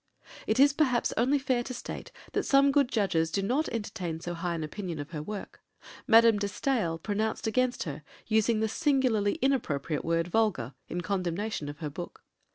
It is perhaps only fair to state that some good judges do not entertain so high an opinion of her work. Madame de Staël pronounced against her, using the singularly inappropriate word "vulgar," in condemnation of her work.